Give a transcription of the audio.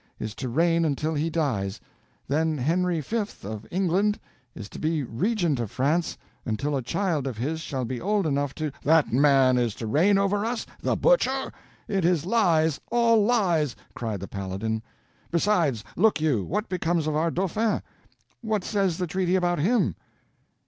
is to reign until he dies, then Henry V. of England is to be Regent of France until a child of his shall be old enough to—" "That man is to reign over us—the Butcher? It is lies! all lies!" cried the Paladin. "Besides, look you—what becomes of our Dauphin? What says the treaty about him?"